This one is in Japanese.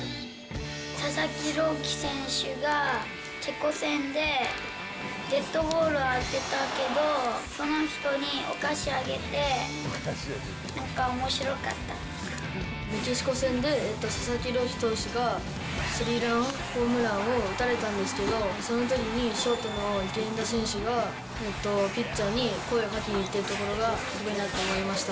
佐々木朗希選手がチェコ戦で、デッドボール当てたけど、その人にお菓子あげて、メキシコ戦で佐々木朗希投手が、スリーランホームランを打たれたんですけど、そのときに、ショートの源田選手がピッチャーに声をかけに行ってるところがすごいなと思いました。